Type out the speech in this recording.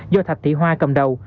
do thạch thị hoa cầm đầu